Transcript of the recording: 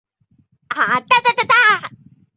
但特急因交换轨道而运转停车的机会亦不少。